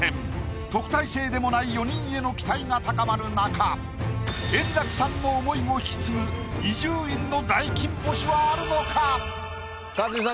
特待生でもない４人への期待が高まる中円楽さんの思いを引き継ぐ伊集院の大金星はあるのか⁉克実さん